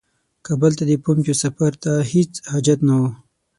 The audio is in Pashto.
کابل ته د پومپیو سفر ته هیڅ حاجت نه وو.